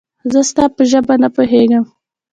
زه ستا په ژبه نه پوهېږم